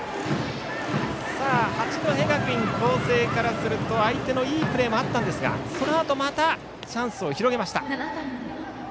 八戸学院光星からすると相手のいいプレーもあったんですがそのあとまたチャンスを広げました。